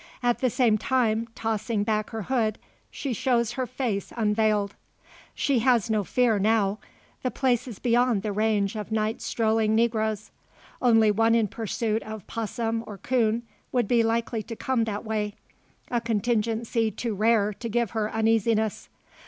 At the same time tossing back her hood, she shows her face unveiled. She has no fear now. The place is beyond the range of night strolling negroes. Only one in pursuit of 'possum, or 'coon, would be likely to come that way; a contingency too rare to give her uneasiness.